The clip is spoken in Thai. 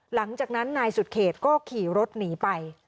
หลังจากนั้นนายสุดเขตก็ขี่รถหนีไป